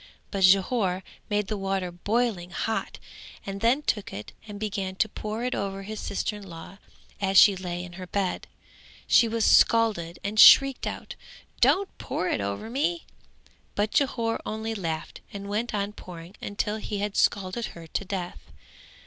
But Jhore made the water boiling hot and then took it and began to pour it over his sister in law as she lay on her bed; she was scalded and shrieked out "Don't pour it over me," but Jhore only laughed and went on pouring until he had scalded her to death.